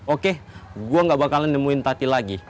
oke gue gak bakalan nemuin tati lagi